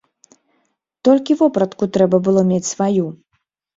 Толькі вопратку трэба было мець сваю.